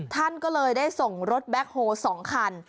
ท่านก็เลยได้ส่งรถแบ็คโฮ๒คัน